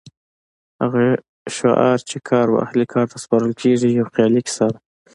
هغه شعار چې کار به اهل کار ته سپارل کېږي یو خیالي کیسه ده.